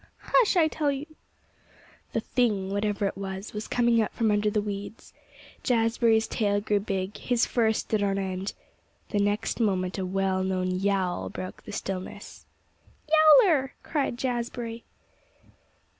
"Hush, I tell you!" The thing, whatever it was, was coming out from the weeds. Jazbury's tail grew big. His fur stood on end. The next moment a well known yowl broke the stillness. "Yowler!" cried Jazbury.